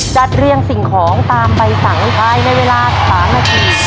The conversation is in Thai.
จัดเรียงสิ่งของตามใบสั่งภายในเวลา๓นาที